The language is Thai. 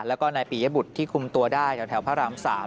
แล้วก็นายปียบุตรที่คุมตัวได้แถวพระราม๓